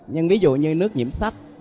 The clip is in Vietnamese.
nhưng ví dụ như nước nhiễm sách